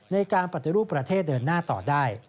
ในการปฏิรูปประเทศเดินหน้าต่อได้